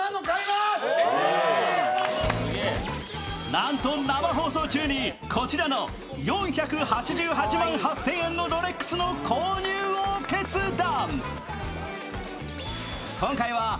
なんと生放送中に、こちら４８８万８０００円のロレックスの購入を決断！